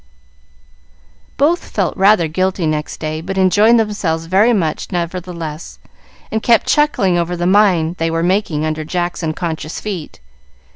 Both felt rather guilty next day, but enjoyed themselves very much nevertheless, and kept chuckling over the mine they were making under Jack's unconscious feet.